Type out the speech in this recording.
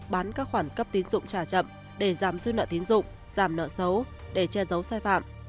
bán các khoản cấp tín dụng trả chậm để giảm dư nợ tiến dụng giảm nợ xấu để che giấu sai phạm